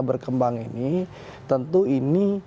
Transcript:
berkembang ini tentu ini